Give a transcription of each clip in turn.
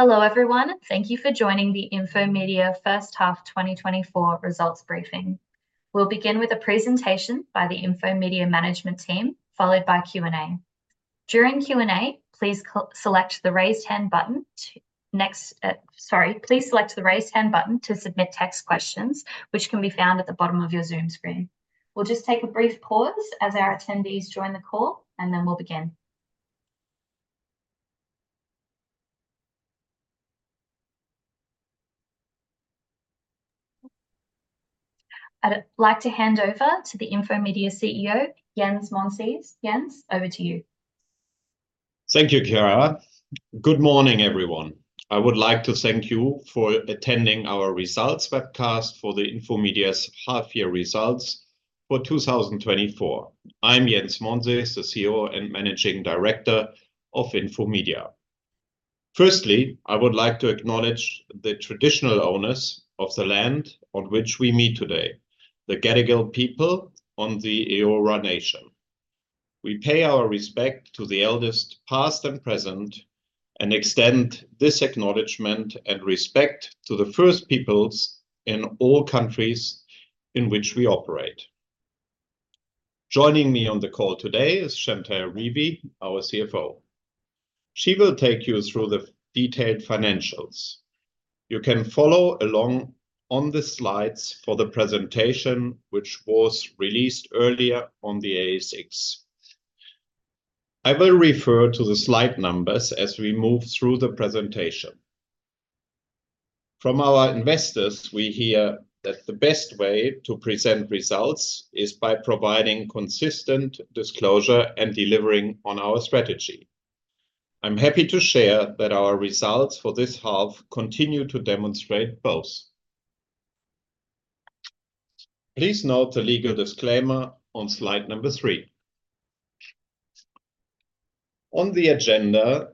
Hello everyone, thank you for joining the Infomedia First Half 2024 Results Briefing. We'll begin with a presentation by the Infomedia management team, followed by Q&A. During Q&A, please select the raised hand button to submit text questions, which can be found at the bottom of your Zoom screen. We'll just take a brief pause as our attendees join the call, and then we'll begin. I'd like to hand over to the Infomedia CEO, Jens Monsees. Jens, over to you. Thank you, Chiara. Good morning, everyone. I would like to thank you for attending our Results Webcast For Infomedia's Half-Year Results for 2024. I'm Jens Monsees, the CEO and Managing Director of Infomedia. Firstly, I would like to acknowledge the traditional owners of the land on which we meet today, the Gadigal people on the Eora Nation. We pay our respect to the elders past and present and extend this acknowledgment and respect to the First Peoples in all countries in which we operate. Joining me on the call today is Chantell Revie, our CFO. She will take you through the detailed financials. You can follow along on the slides for the presentation, which was released earlier on the ASX. I will refer to the slide numbers as we move through the presentation. From our investors, we hear that the best way to present results is by providing consistent disclosure and delivering on our strategy. I'm happy to share that our results for this half continue to demonstrate both. Please note the legal disclaimer on slide number 3. On the agenda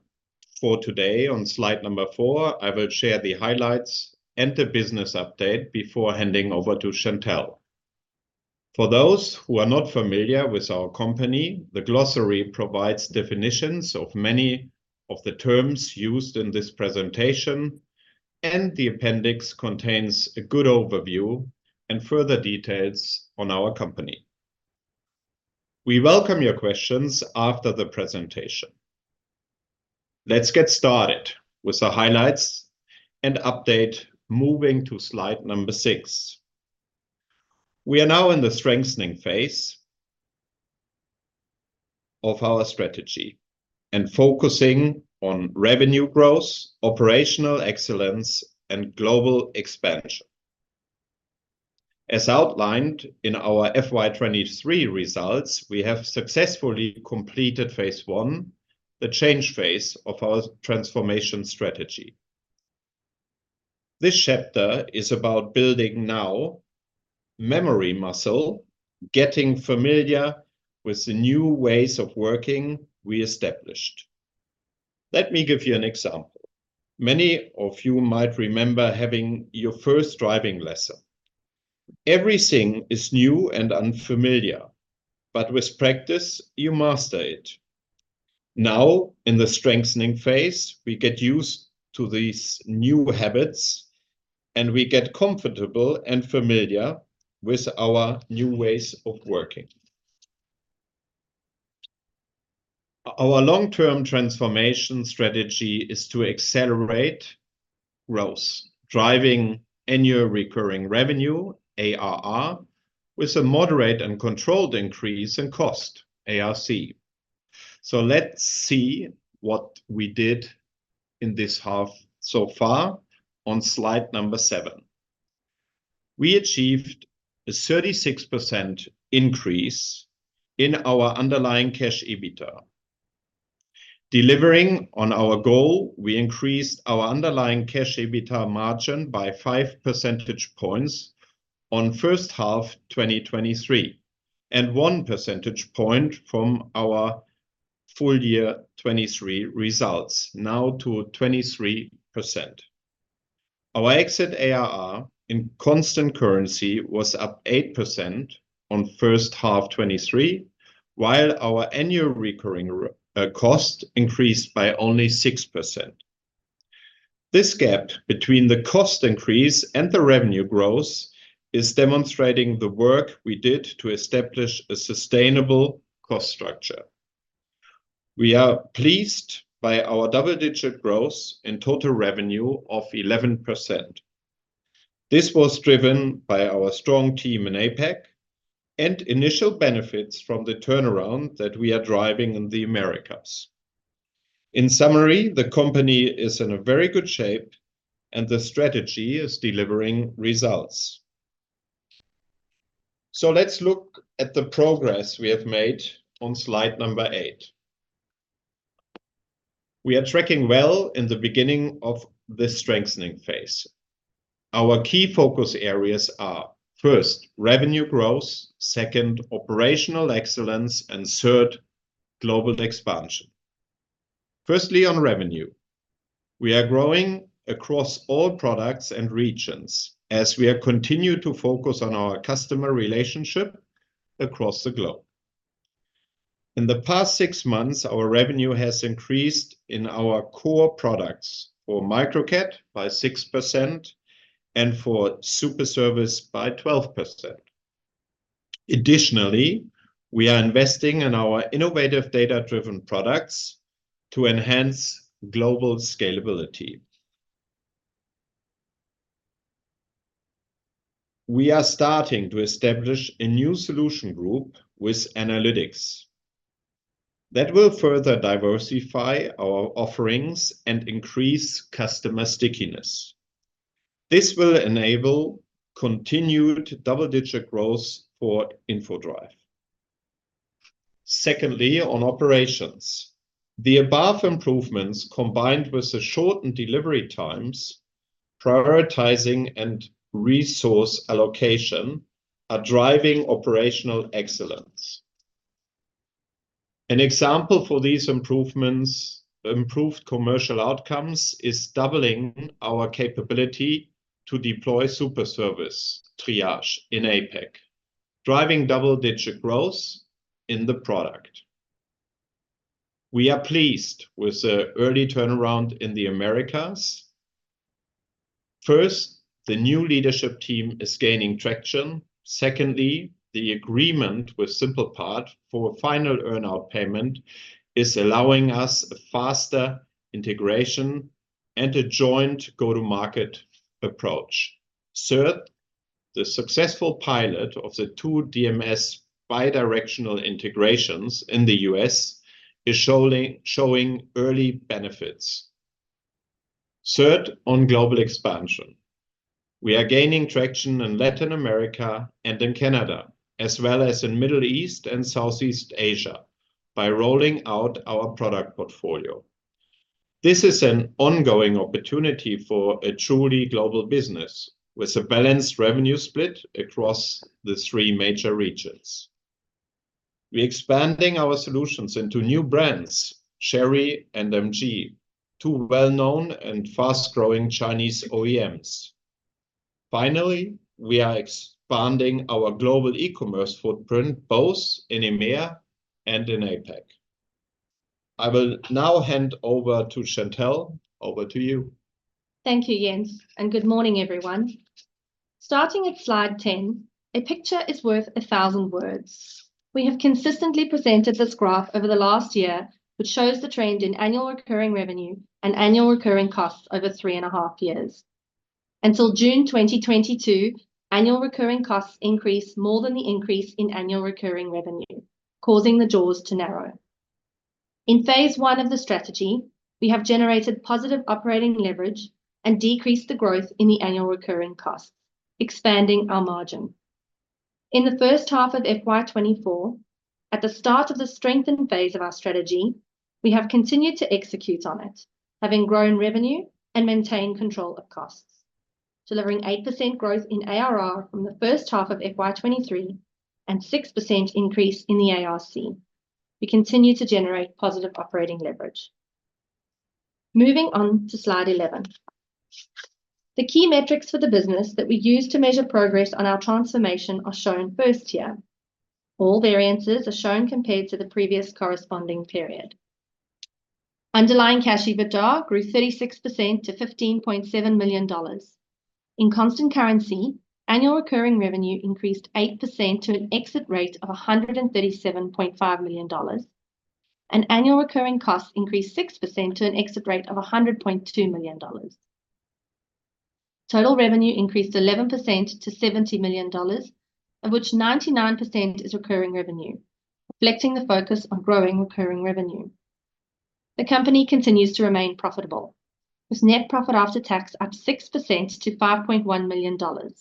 for today, on slide number 4, I will share the highlights and a business update before handing over to Chantell. For those who are not familiar with our company, the glossary provides definitions of many of the terms used in this presentation, and the appendix contains a good overview and further details on our company. We welcome your questions after the presentation. Let's get started with the highlights and update, moving to slide number 6. We are now in the strengthening phase of our strategy and focusing on revenue growth, operational excellence, and global expansion. As outlined in our FY 2023 results, we have successfully completed phase 1, the change phase of our transformation strategy. This chapter is about building new memory muscle, getting familiar with the new ways of working we established. Let me give you an example. Many of you might remember having your first driving lesson. Everything is new and unfamiliar, but with practice, you master it. Now, in the strengthening phase, we get used to these new habits, and we get comfortable and familiar with our new ways of working. Our long-term transformation strategy is to accelerate growth, driving annual recurring revenue, ARR, with a moderate and controlled increase in cost, ARC. So let's see what we did in this half so far on slide number 7. We achieved a 36% increase in our underlying cash EBITDA. Delivering on our goal, we increased our underlying cash EBITDA margin by 5 percentage points on first half 2023 and 1 percentage point from our full year 2023 results, now to 23%. Our exit ARR in constant currency was up 8% on first half 2023, while our annual recurring cost increased by only 6%. This gap between the cost increase and the revenue growth is demonstrating the work we did to establish a sustainable cost structure. We are pleased by our double-digit growth and total revenue of 11%. This was driven by our strong team in APAC and initial benefits from the turnaround that we are driving in the Americas. In summary, the company is in very good shape, and the strategy is delivering results. So let's look at the progress we have made on slide number 8. We are tracking well in the beginning of this strengthening phase. Our key focus areas are first, revenue growth; second, operational excellence; and third, global expansion. Firstly, on revenue, we are growing across all products and regions as we continue to focus on our customer relationship across the globe. In the past six months, our revenue has increased in our core products for Microcat by 6% and for Superservice by 12%. Additionally, we are investing in our innovative data-driven products to enhance global scalability. We are starting to establish a new solution group with analytics that will further diversify our offerings and increase customer stickiness. This will enable continued double-digit growth for InfoDrive. Secondly, on operations, the above improvements combined with the shortened delivery times, prioritizing, and resource allocation are driving operational excellence. An example for these improved commercial outcomes is doubling our capability to deploy Superservice Triage in APAC, driving double-digit growth in the product. We are pleased with the early turnaround in the Americas. First, the new leadership team is gaining traction. Secondly, the agreement with SimplePart for a final earnout payment is allowing us a faster integration and a joint go-to-market approach. Third, the successful pilot of the two DMS bidirectional integrations in the U.S. is showing early benefits. Third, on global expansion, we are gaining traction in Latin America and in Canada, as well as in the Middle East and Southeast Asia by rolling out our product portfolio. This is an ongoing opportunity for a truly global business with a balanced revenue split across the three major regions. We are expanding our solutions into new brands, Chery and MG, two well-known and fast-growing Chinese OEMs. Finally, we are expanding our global e-commerce footprint both in EMEA and in APAC. I will now hand over to Chantell. Over to you. Thank you, Jens, and good morning, everyone. Starting at slide 10, "A picture is worth a thousand words." We have consistently presented this graph over the last year, which shows the trend in annual recurring revenue and annual recurring costs over three and a half years. Until June 2022, annual recurring costs increased more than the increase in annual recurring revenue, causing the jaws to narrow. In phase one of the strategy, we have generated positive operating leverage and decreased the growth in the annual recurring costs, expanding our margin. In the first half of FY24, at the start of the strengthened phase of our strategy, we have continued to execute on it, having grown revenue and maintained control of costs, delivering 8% growth in ARR from the first half of FY 2023 and a 6% increase in the ARC. We continue to generate positive operating leverage. Moving on to slide 11. The key metrics for the business that we use to measure progress on our transformation are shown first here. All variances are shown compared to the previous corresponding period. Underlying cash EBITDA grew 36% to 15.7 million dollars. In constant currency, annual recurring revenue increased 8% to an exit rate of 137.5 million dollars, and annual recurring costs increased 6% to an exit rate of 100.2 million dollars. Total revenue increased 11% to 70 million dollars, of which 99% is recurring revenue, reflecting the focus on growing recurring revenue. The company continues to remain profitable, with net profit after tax up 6% to 5.1 million dollars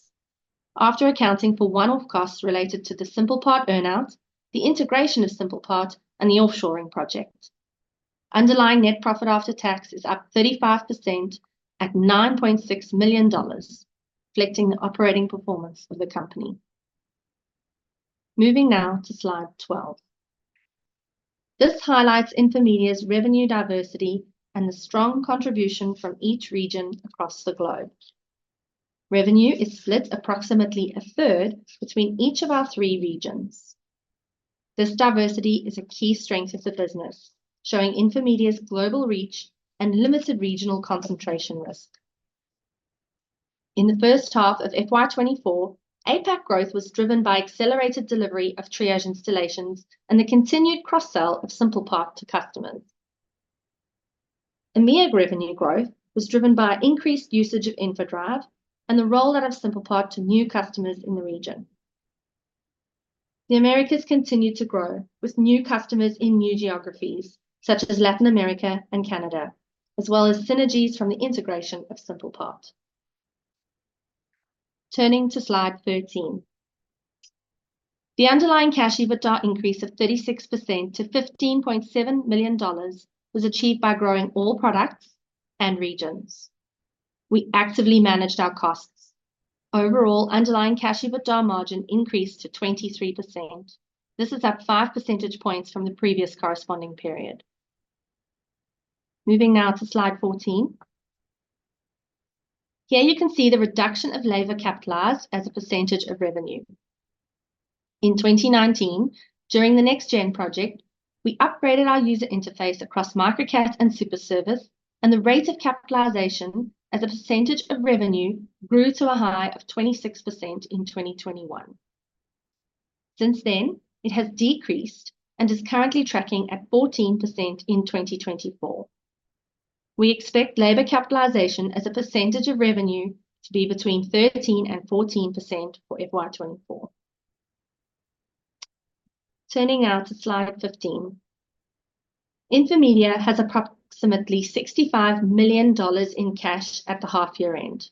after accounting for one-off costs related to the SimplePart earnout, the integration of SimplePart, and the offshoring project. Underlying net profit after tax is up 35% at 9.6 million dollars, reflecting the operating performance of the company. Moving now to slide 12. This highlights Infomedia's revenue diversity and the strong contribution from each region across the globe. Revenue is split approximately a third between each of our three regions. This diversity is a key strength of the business, showing Infomedia's global reach and limited regional concentration risk. In the first half of FY2024, APAC growth was driven by accelerated delivery of Triage installations and the continued cross-sell of SimplePart to customers. EMEA revenue growth was driven by increased usage of InfoDrive and the rollout of SimplePart to new customers in the region. The Americas continue to grow with new customers in new geographies such as Latin America and Canada, as well as synergies from the integration of SimplePart. Turning to slide 13. The underlying cash EBITDA increase of 36% to 15.7 million dollars was achieved by growing all products and regions. We actively managed our costs. Overall, underlying cash EBITDA margin increased to 23%. This is up five percentage points from the previous corresponding period. Moving now to slide 14. Here you can see the reduction of labor capitalized as a percentage of revenue. In 2019, during the NextGen project, we upgraded our user interface across Microcat and Superservice, and the rate of capitalization as a percentage of revenue grew to a high of 26% in 2021. Since then, it has decreased and is currently tracking at 14% in 2024. We expect labor capitalization as a percentage of revenue to be between 13% and 14% for FY2024. Turning now to slide 15. Infomedia has approximately 65 million dollars in cash at the half-year end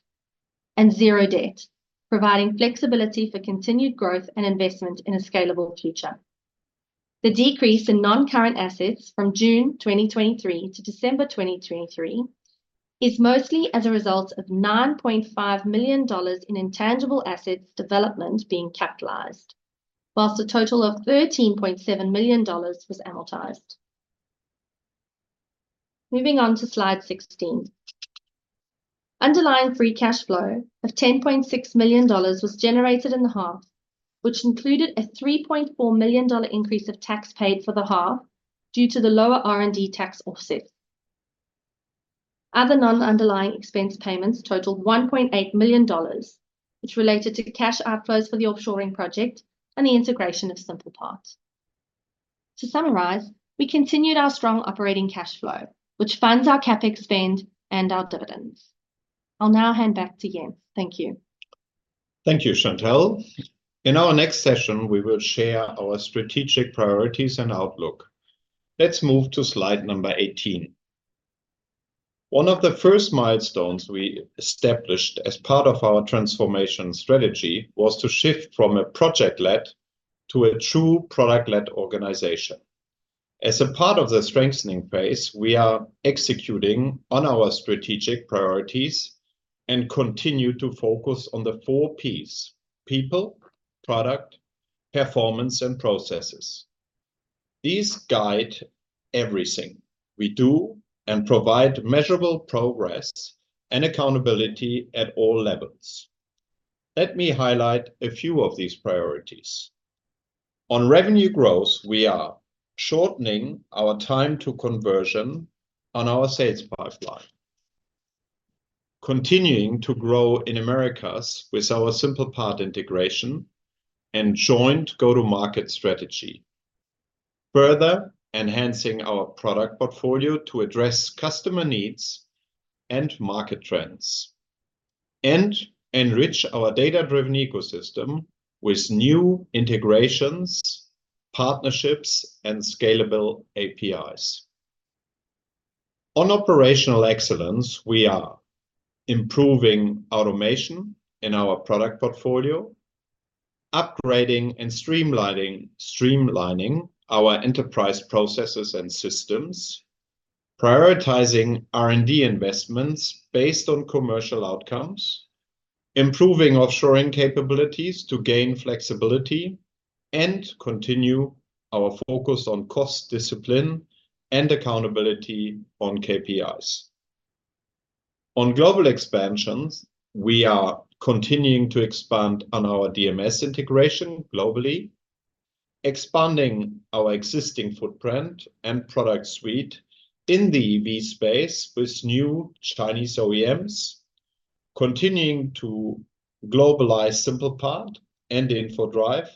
and zero debt, providing flexibility for continued growth and investment in a scalable future. The decrease in non-current assets from June 2023 to December 2023 is mostly as a result of 9.5 million dollars in intangible assets development being capitalized, while a total of 13.7 million dollars was amortized. Moving on to slide 16. Underlying free cash flow of 10.6 million dollars was generated in the half, which included a 3.4 million dollar increase of tax paid for the half due to the lower R&D tax offset. Other non-underlying expense payments totaled 1.8 million dollars, which related to cash outflows for the offshoring project and the integration of SimplePart. To summarize, we continued our strong operating cash flow, which funds our CapEx spend and our dividends. I'll now hand back to Jens. Thank you. Thank you, Chantell. In our next session, we will share our strategic priorities and outlook. Let's move to slide number 18. One of the first milestones we established as part of our transformation strategy was to shift from a project-led to a true product-led organization. As a part of the strengthening phase, we are executing on our strategic priorities and continue to focus on the four P's: people, product, performance, and processes. These guide everything we do and provide measurable progress and accountability at all levels. Let me highlight a few of these priorities. On revenue growth, we are shortening our time to conversion on our sales pipeline, continuing to grow in Americas with our SimplePart integration and joint go-to-market strategy, further enhancing our product portfolio to address customer needs and market trends, and enrich our data-driven ecosystem with new integrations, partnerships, and scalable APIs. On operational excellence, we are improving automation in our product portfolio, upgrading and streamlining our enterprise processes and systems, prioritizing R&D investments based on commercial outcomes, improving offshoring capabilities to gain flexibility, and continuing our focus on cost discipline and accountability on KPIs. On global expansions, we are continuing to expand on our DMS integration globally, expanding our existing footprint and product suite in the EV space with new Chinese OEMs, continuing to globalize SimplePart and InfoDrive,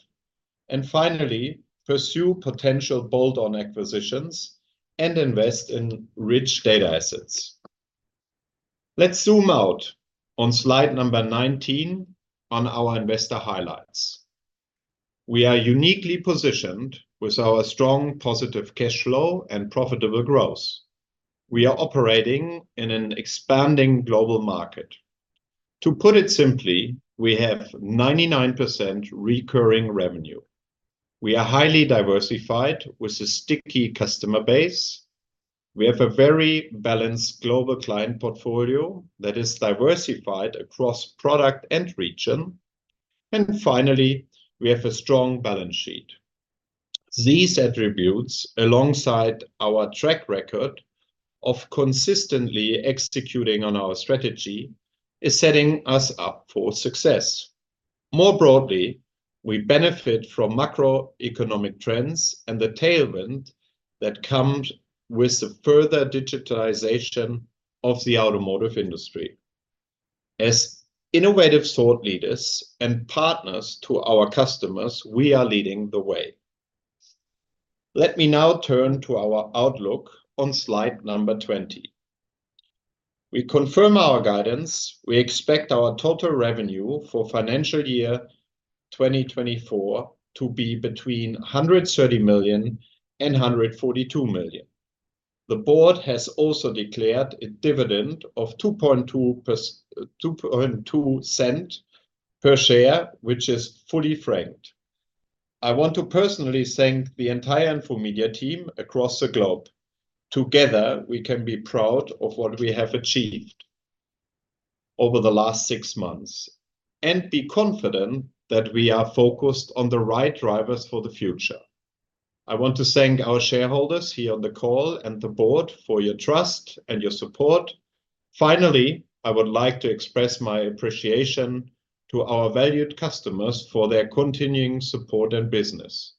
and finally pursue potential bolt-on acquisitions and invest in rich data assets. Let's zoom out on slide number 19 on our investor highlights. We are uniquely positioned with our strong positive cash flow and profitable growth. We are operating in an expanding global market. To put it simply, we have 99% recurring revenue. We are highly diversified with a sticky customer base. We have a very balanced global client portfolio that is diversified across product and region. Finally, we have a strong balance sheet. These attributes, alongside our track record of consistently executing on our strategy, are setting us up for success. More broadly, we benefit from macroeconomic trends and the tailwind that comes with the further digitalization of the automotive industry. As innovative thought leaders and partners to our customers, we are leading the way. Let me now turn to our outlook on slide number 20. We confirm our guidance. We expect our total revenue for financial year 2024 to be between 130 million and 142 million. The board has also declared a dividend of 0.022 per share, which is fully franked. I want to personally thank the entire Infomedia team across the globe. Together, we can be proud of what we have achieved over the last six months and be confident that we are focused on the right drivers for the future. I want to thank our shareholders here on the call and the board for your trust and your support. Finally, I would like to express my appreciation to our valued customers for their continuing support and business.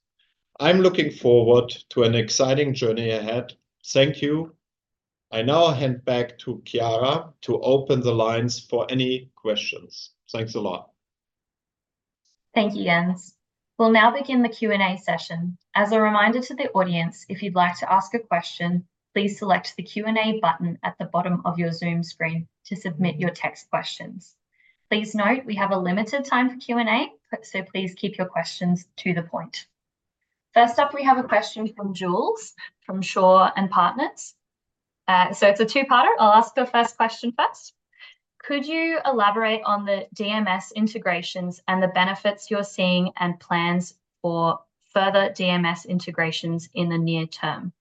I'm looking forward to an exciting journey ahead. Thank you. I now hand back to Chiara to open the lines for any questions. Thanks a lot. Thank you, Jens. We'll now begin the Q&A session. As a reminder to the audience, if you'd like to ask a question, please select the Q&A button at the bottom of your Zoom screen to submit your text questions. Please note, we have a limited time for Q&A, so please keep your questions to the point. First up, we have a question from Jules from Shaw and Partners. So it's a two-parter. I'll ask the first question first. Could you elaborate on the DMS integrations and the benefits you're seeing and plans for further DMS integrations in the near term?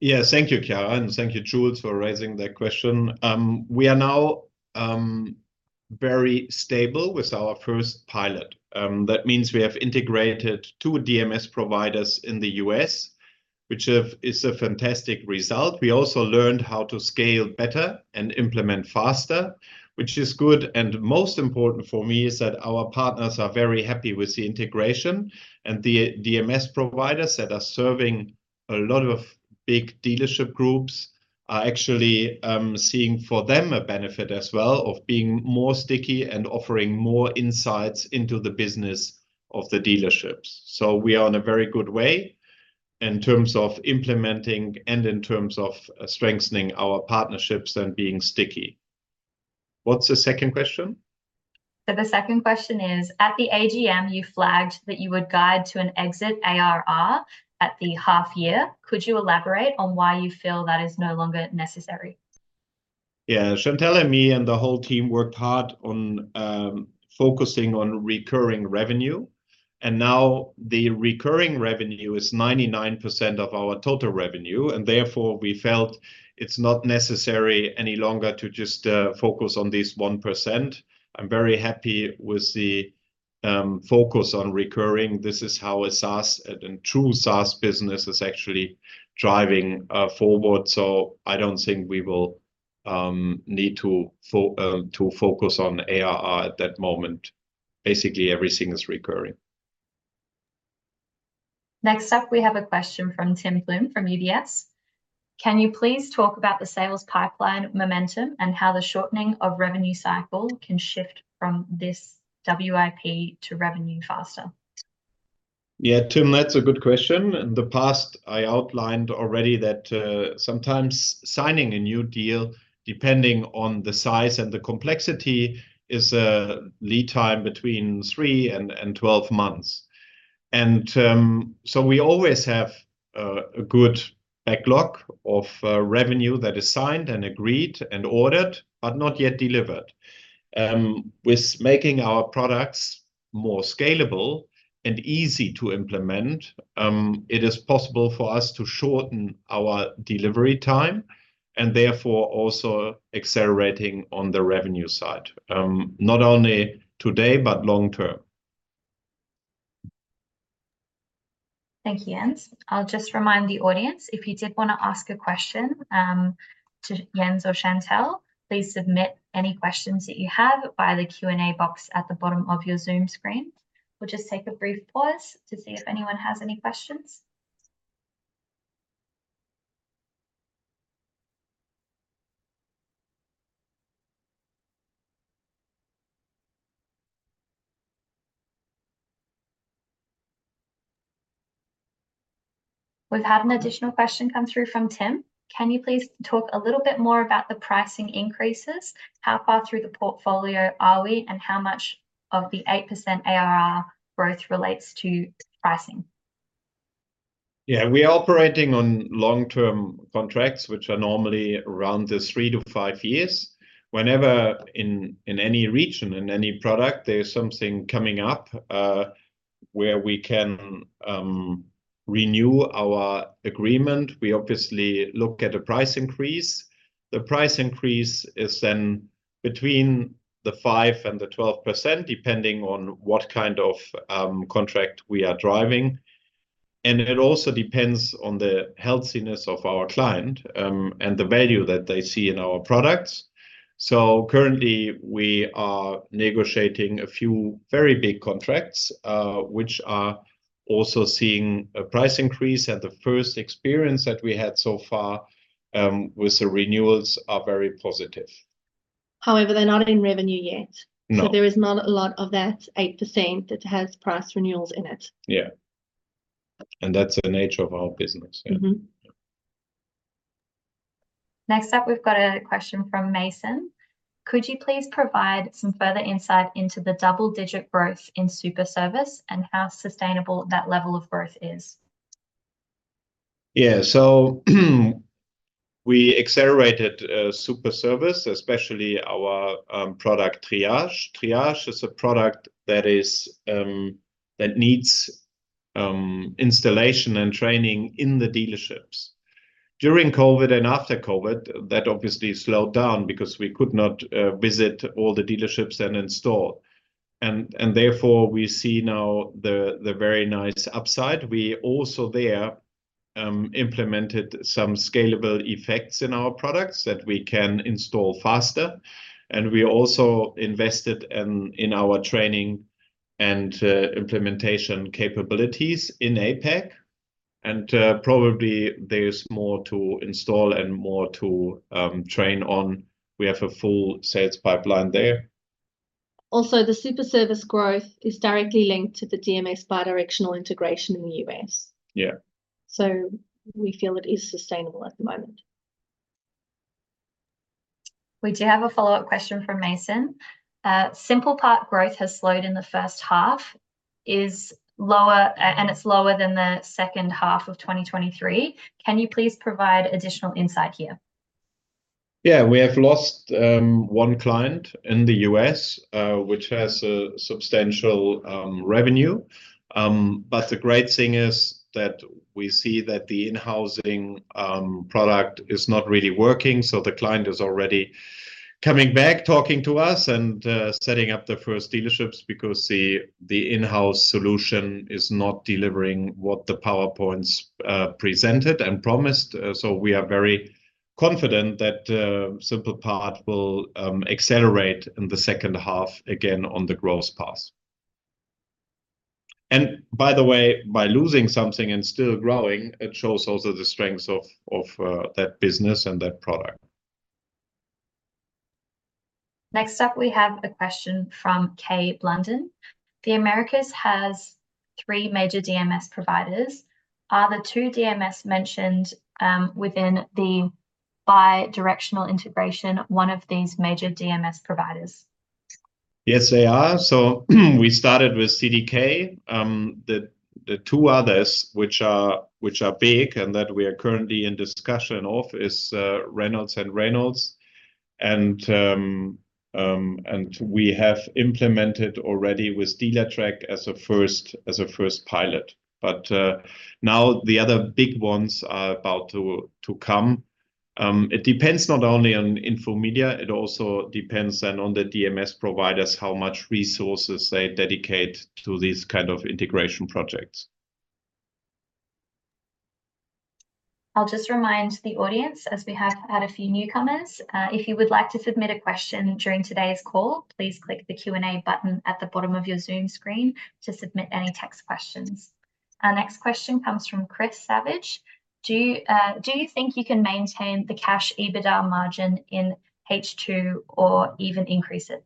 Yeah, thank you, Chiara, and thank you, Jules, for raising that question. We are now very stable with our first pilot. That means we have integrated two DMS providers in the US, which is a fantastic result. We also learned how to scale better and implement faster, which is good. And most important for me is that our partners are very happy with the integration. And the DMS providers that are serving a lot of big dealership groups are actually seeing for them a benefit as well of being more sticky and offering more insights into the business of the dealerships. So we are on a very good way in terms of implementing and in terms of strengthening our partnerships and being sticky. What's the second question? The second question is, at the AGM, you flagged that you would guide to an exit ARR at the half-year. Could you elaborate on why you feel that is no longer necessary? Yeah, Chantell and me and the whole team worked hard on focusing on recurring revenue. Now the recurring revenue is 99% of our total revenue. Therefore, we felt it's not necessary any longer to just focus on this 1%. I'm very happy with the focus on recurring. This is how a true SaaS business is actually driving forward. I don't think we will need to focus on ARR at that moment. Basically, everything is recurring. Next up, we have a question from Tim Plumbe from UBS. Can you please talk about the sales pipeline momentum and how the shortening of revenue cycle can shift from this WIP to revenue faster? Yeah, Tim, that's a good question. In the past, I outlined already that sometimes signing a new deal, depending on the size and the complexity, is a lead time between 3-12 months. And so we always have a good backlog of revenue that is signed and agreed and ordered, but not yet delivered. With making our products more scalable and easy to implement, it is possible for us to shorten our delivery time and therefore also accelerating on the revenue side, not only today but long term. Thank you, Jens. I'll just remind the audience, if you did want to ask a question to Jens or Chantell, please submit any questions that you have via the Q&A box at the bottom of your Zoom screen. We'll just take a brief pause to see if anyone has any questions. We've had an additional question come through from Tim. Can you please talk a little bit more about the pricing increases? How far through the portfolio are we, and how much of the 8% ARR growth relates to pricing? Yeah, we are operating on long-term contracts, which are normally around the three-five years. Whenever in any region, in any product, there's something coming up where we can renew our agreement, we obviously look at a price increase. The price increase is then between the 5%-12%, depending on what kind of contract we are driving. And it also depends on the healthiness of our client and the value that they see in our products. So currently, we are negotiating a few very big contracts, which are also seeing a price increase. And the first experience that we had so far with the renewals are very positive. However, they're not in revenue yet. There is not a lot of that 8% that has price renewals in it. Yeah. And that's the nature of our business. Yeah. Next up, we've got a question from Mason. Could you please provide some further insight into the double-digit growth in Superservice and how sustainable that level of growth is? Yeah. So we accelerated Superservice, especially our product Triage. Triage is a product that needs installation and training in the dealerships. During COVID and after COVID, that obviously slowed down because we could not visit all the dealerships and install. And therefore, we see now the very nice upside. We also there implemented some scalable effects in our products that we can install faster. And we also invested in our training and implementation capabilities in APAC. And probably there's more to install and more to train on. We have a full sales pipeline there. Also, the Superservice growth is directly linked to the DMS bidirectional integration in the US. So we feel it is sustainable at the moment. We do have a follow-up question from Mason. SimplePart growth has slowed in the first half, and it's lower than the second half of 2023. Can you please provide additional insight here? Yeah, we have lost one client in the U.S., which has substantial revenue. But the great thing is that we see that the in-housing product is not really working. So the client is already coming back, talking to us, and setting up the first dealerships because the in-house solution is not delivering what the PowerPoints presented and promised. So we are very confident that SimplePart will accelerate in the second half again on the growth path. And by the way, by losing something and still growing, it shows also the strengths of that business and that product. Next up, we have a question from Kane Hannan. The Americas has three major DMS providers. Are the two DMS mentioned within the bidirectional integration one of these major DMS providers? Yes, they are. So we started with CDK. The two others, which are big and that we are currently in discussion of, is Reynolds & Reynolds. And we have implemented already with Dealertrack as a first pilot. But now the other big ones are about to come. It depends not only on Infomedia. It also depends then on the DMS providers, how much resources they dedicate to these kinds of integration projects. I'll just remind the audience, as we have had a few newcomers, if you would like to submit a question during today's call, please click the Q&A button at the bottom of your Zoom screen to submit any text questions. Our next question comes from Chris Savage. Do you think you can maintain the cash EBITDA margin in H2 or even increase it?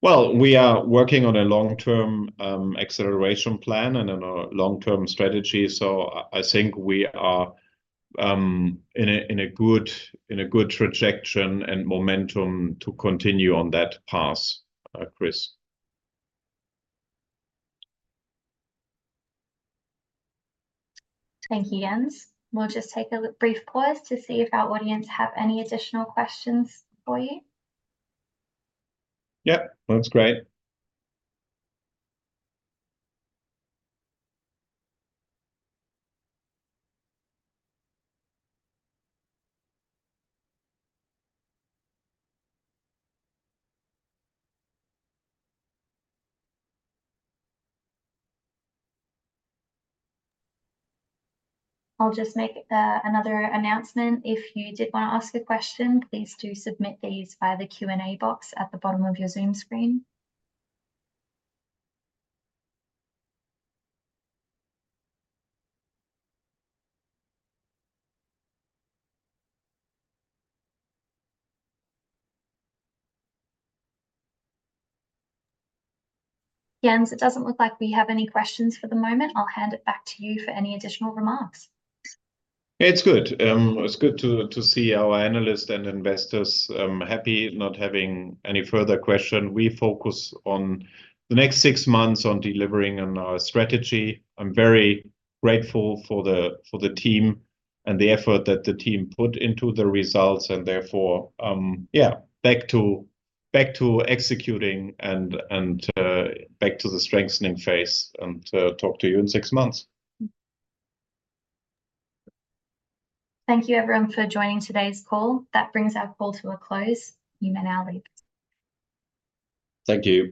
Well, we are working on a long-term acceleration plan and a long-term strategy. I think we are in a good trajectory and momentum to continue on that path, Chris. Thank you, Jens. We'll just take a brief pause to see if our audience have any additional questions for you. Yep, that's great. I'll just make another announcement. If you did want to ask a question, please do submit these via the Q&A box at the bottom of your Zoom screen. Jens, it doesn't look like we have any questions for the moment. I'll hand it back to you for any additional remarks. Yeah, it's good. It's good to see our analysts and investors happy not having any further question. We focus on the next six months on delivering on our strategy. I'm very grateful for the team and the effort that the team put into the results. And therefore, yeah, back to executing and back to the strengthening phase and talk to you in six months. Thank you, everyone, for joining today's call. That brings our call to a close. You may now leave. Thank you.